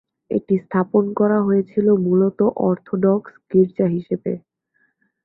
এটি স্থাপন করা হয়েছিল মূলত অর্থোডক্স গির্জা হিসেবে।